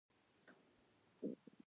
کرکټ نړۍوال شهرت لري.